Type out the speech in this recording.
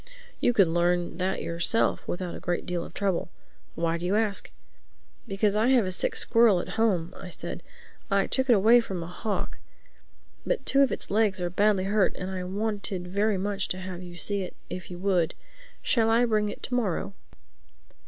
"You could learn that yourself without a great deal of trouble. But why do you ask?" "Because I have a sick squirrel at home," I said. "I took it away from a hawk. But two of its legs are badly hurt and I wanted very much to have you see it, if you would. Shall I bring it to morrow?"